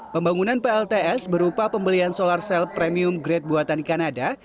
pembangunan plts berupa pembelian solar cell premium grade buatan kanada